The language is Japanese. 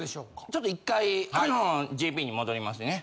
ちょっと１回あのＪＰに戻りますね。